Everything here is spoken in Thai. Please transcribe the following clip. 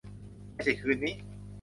ไม่ใช่คืนนี้